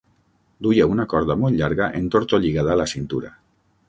Duia una corda molt llarga entortolligada a la cintura.